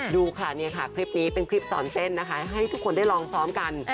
ดูค่ะเนี่ยค่ะคลิปนี้เป็นคลิปสอนเต้นนะคะให้ทุกคนได้ลองซ้อมกัน